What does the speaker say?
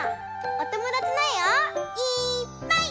おともだちのえをいっぱい。